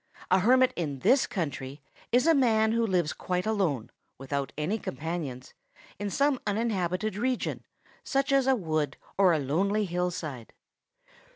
A hermit in this country is a man who lives quite alone, without any companions, in some uninhabited region, such as a wood or a lonely hillside."